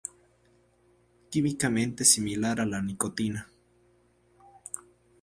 Químicamente similar a la nicotina.